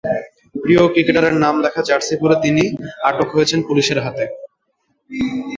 প্রিয় ক্রিকেটারের নাম লেখা জার্সি পরে তিনি আটক হয়েছেন পুলিশের হাতে।